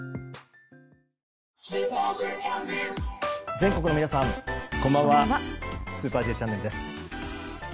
全国の皆さん、こんばんは「スーパーＪチャンネル」です。